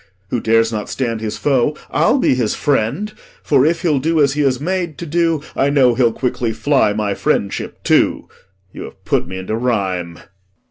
Who dares not stand his foe I'll be his friend; For if he'll do as he is made to do, I know he'll quickly fly my friendship too. You have put me into rhyme.